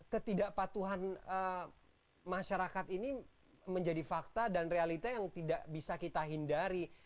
ketidakpatuhan masyarakat ini menjadi fakta dan realita yang tidak bisa kita hindari